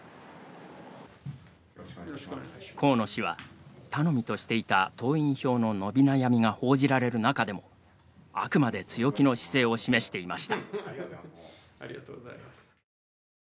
河野氏は頼みとしていた党員票の伸び悩みが報じられる中でもあくまで強気の姿勢を示していました。